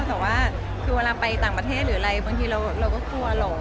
แต่ว่าคือเวลาไปต่างประเทศหรืออะไรบางทีเราก็กลัวหรอก